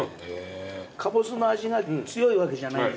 カボスの味が強いわけじゃないんですね